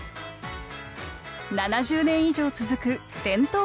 ７０年以上続く伝統ある文芸部。